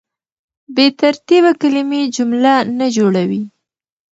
بې ترتیبه کلیمې جمله نه جوړوي.